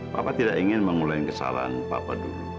bapak tidak ingin mengulangi kesalahan papa dulu